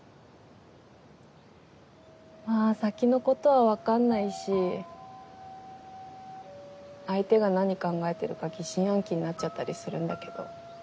まあ先のことは分かんないし相手が何考えてるか疑心暗鬼になっちゃったりするんだけど。